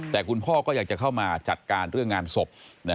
แต่คุณพ่อก็อยากจะเข้ามาจัดการเรื่องงานศพ